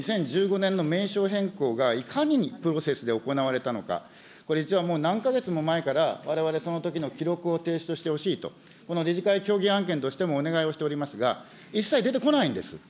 ２０１５年の名称変更が、いかにプロセスで行われたのか、これ、何か月も前からわれわれ、そのときの記録を提出してほしいと、この理事会協議案件としても、お願いをしておりますが、一切出てこないんです。